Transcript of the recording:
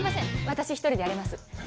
私１人でやれます